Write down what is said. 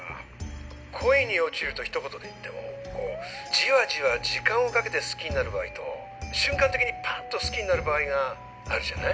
恋に落ちるとひと言で言ってもこうじわじわ時間をかけて好きになる場合と瞬間的にパッと好きになる場合があるじゃない？